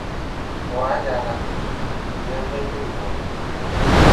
Wɔ à yàlaŋ nə mə̀ liŋ wɔ.